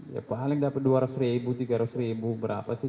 ya paling dapat dua ratus ribu tiga ratus ribu berapa sih